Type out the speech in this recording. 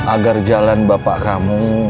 agar jalan bapak kamu